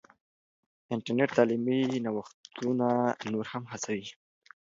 انټرنیټ تعلیمي نوښتونه نور هم هڅوي.